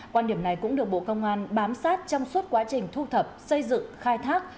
quan điểm này cũng được bộ công an bám sát trong suốt quá trình thu thập xây dựng khai thác